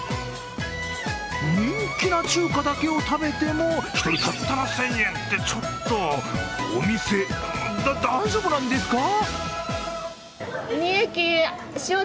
人気な中華だけを食べても１人たったの１０００円ってちょっと、お店、だ、大丈夫なんですか？